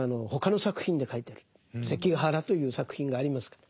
「関ヶ原」という作品がありますから。